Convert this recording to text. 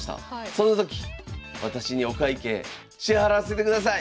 その時私にお会計支払わせてください。